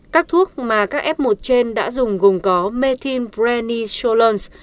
các thuốc mà các f một trên đã dùng gồm có methinbrenisholones